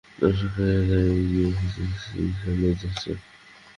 জনসংখ্যায় এরা এগিয়ে আছে সেইসেল্জের চেয়ে।